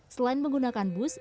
selain menggunakan bus